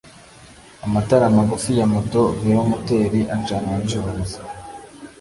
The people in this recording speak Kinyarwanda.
Amatara magufi ya moto velomoteri acanwa nijoro gusa